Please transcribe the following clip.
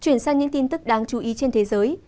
chuyển sang những tin tức đáng chú ý trên thế giới